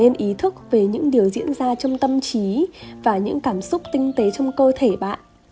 nên ý thức về những điều diễn ra trong tâm trí và những cảm xúc tinh tế trong cơ thể bạn